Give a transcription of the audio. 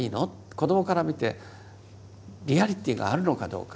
子どもから見てリアリティーがあるのかどうか。